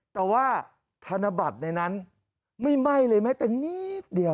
แต่ว่าธนบัตรในนั้นไม่ไหม้เลยแม้แต่นิดเดียว